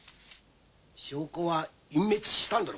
証拠は隠滅したんだろ。